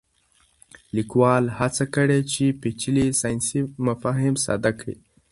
لیکوال هڅه کړې چې پېچلي ساینسي مفاهیم ساده کړي.